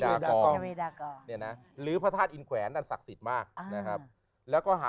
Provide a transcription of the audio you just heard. ถ้าไปพระหม้าแล้ว